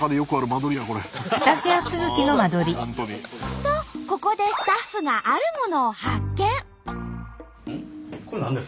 とここでスタッフがあるものを発見！